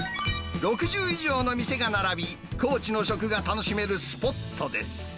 ６０以上の店が並び、高知の食が楽しめるスポットです。